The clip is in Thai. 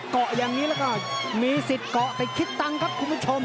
เกาะอย่างนี้แล้วก็มีสิทธิ์เกาะติดคิดตังค์ครับคุณผู้ชม